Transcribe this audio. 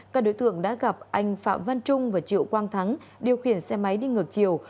các đối tượng đã gặp anh phạm văn trung và triệu quang thắng điều khiển xe máy đi ngược chiều